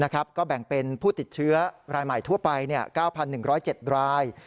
ก็แบ่งเป็นผู้ติดเชื้อรายใหม่ทั่วไป๙๑๐๗ราย